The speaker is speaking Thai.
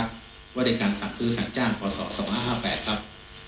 สวัสดีครับ